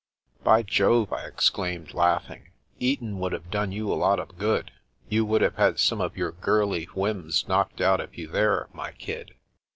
" By Jove !" I exclaimed, laughing. " Eton would have done you a lot of good. You would have had some of your girly whims knocked out of you there, my kid."